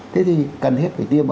thế thì cần thiết phải tiêm